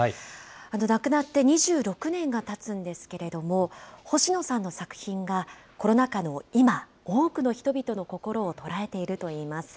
亡くなって２６年がたつんですけれども、星野さんの作品がコロナ禍の今、多くの人々の心を捉えているといいます。